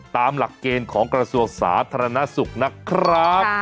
ตามหลักเกณฑ์ของกระทรวงสาธารณสุขนะครับ